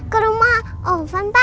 ke rumah ovan pak